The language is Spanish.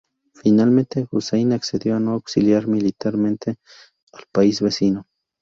Finalmente, Hussein accedió a no auxiliar militarmente al país vecino.